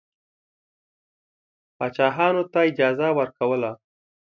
پاچاهانو ته اجازه ورکوله.